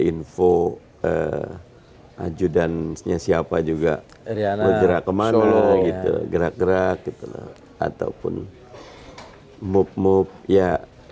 info eh ajudan nya siapa juga riana gerak ke mana gitu gerak gerak ataupun move move ya